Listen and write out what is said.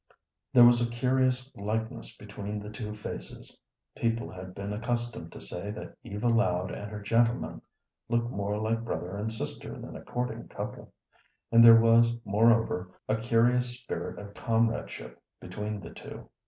There was a curious likeness between the two faces; people had been accustomed to say that Eva Loud and her gentleman looked more like brother and sister than a courting couple, and there was, moreover, a curious spirit of comradeship between the two.